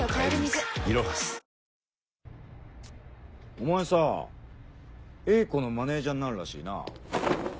お前さ英子のマネージャーになるらしいな。